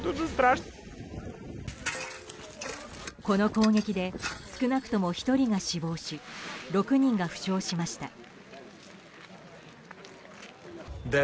この攻撃で少なくとも１人が死亡し６人が負傷しました。